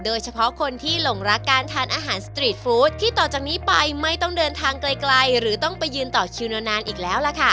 โดยเฉพาะคนที่หลงรักการทานอาหารสตรีทฟู้ดที่ต่อจากนี้ไปไม่ต้องเดินทางไกลหรือต้องไปยืนต่อคิวนานอีกแล้วล่ะค่ะ